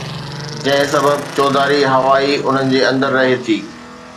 جنهن سبب چوڌاري هوا ئي انهن جي اندر رهي ٿي